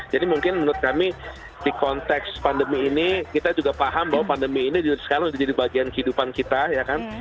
jadi mungkin menurut kami di konteks pandemi ini kita juga paham bahwa pandemi ini sekarang sudah jadi bagian kehidupan kita ya kan